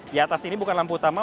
di atas ini bukan lampu utama